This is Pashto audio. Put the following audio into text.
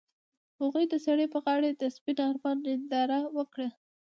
هغوی د سړک پر غاړه د سپین آرمان ننداره وکړه.